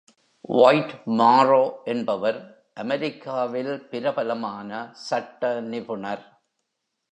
Dwight மாரோ என்பவர் அமெரிக்காவில் பிரபலமான சட்ட நிபுணர்.